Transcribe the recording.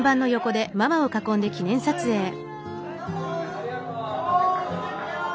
ありがとう！